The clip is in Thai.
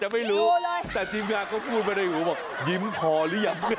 แต่พี่ทีมนานพูดไปในหูยิ้มพอหรอ